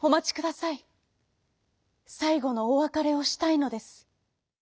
さいごのおわかれをしたいのです」。